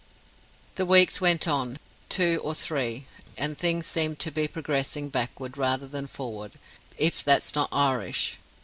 The weeks went on two or three and things seemed to be progressing backward, rather than forward if that's not Irish.